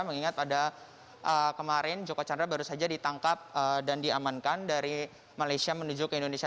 mengingat pada kemarin joko chandra baru saja ditangkap dan diamankan dari malaysia menuju ke indonesia